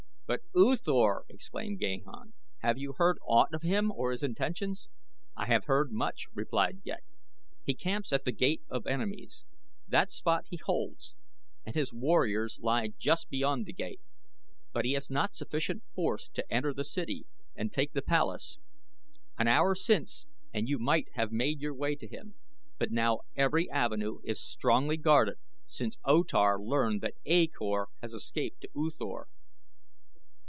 "But U Thor!" exclaimed Gahan. "Have you heard aught of him or his intentions?" "I have heard much," replied Ghek. "He camps at The Gate of Enemies. That spot he holds and his warriors lie just beyond The Gate; but he has not sufficient force to enter the city and take the palace. An hour since and you might have made your way to him; but now every avenue is strongly guarded since O Tar learned that A Kor had escaped to U Thor."